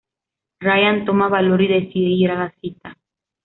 Ryan toma valor y decide ir a la cita.